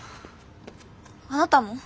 あなたも？